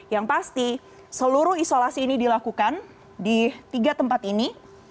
yang pasti seluruh isolasi ini dilakukan di tiga tempat ini